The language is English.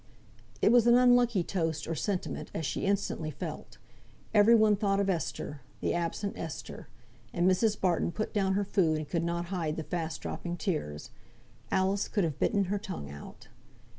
It was an unlucky toast or sentiment, as she instantly felt. Every one thought of Esther, the absent Esther; and Mrs. Barton put down her food, and could not hide the fast dropping tears. Alice could have bitten her tongue out.